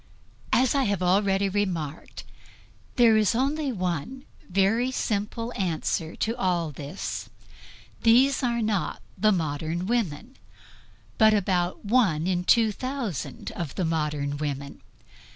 As I have already remarked, there is one very simple answer to all this; these are not the modern women, but about one in two thousand of the modern women.